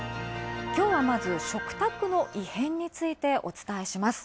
今日はまず食卓の異変についてお伝えします。